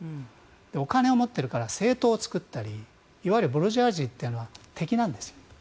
お金を持っているから政党を作ったりいわゆるブルジョワジーというのは敵なんです。